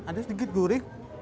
ada sedikit gurih